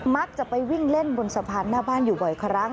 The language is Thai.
มักจะไปวิ่งเล่นบนสะพานหน้าบ้านอยู่บ่อยครั้ง